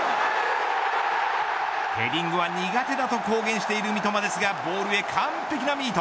ヘディングは苦手だと公言している三笘ですがボールへ完璧なミート。